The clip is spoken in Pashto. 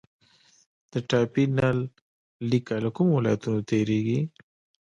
د ټاپي نل لیکه له کومو ولایتونو تیریږي؟